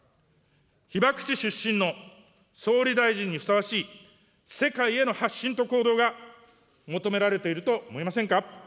被爆地出身の総理大臣にふさわしい、世界への発信と行動が、求められていると思いませんか。